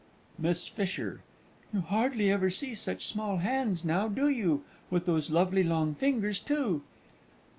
MISS F. You hardly ever see such small hands now, do you? With those lovely long fingers, too!